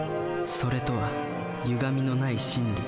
「それ」とはゆがみのない真理。